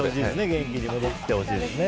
元気に戻ってきてほしいですね。